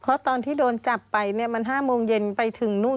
เพราะตอนที่โดนจับไปเนี่ยมัน๕โมงเย็นไปถึงนู่น